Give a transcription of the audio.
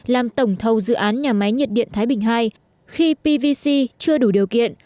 làm tổng thầu dự án nhà máy nhiệt điện thái bình ii khi pvc chưa đủ điều kiện